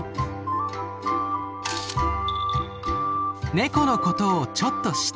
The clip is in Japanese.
ネコのことをちょっと知ってみよう。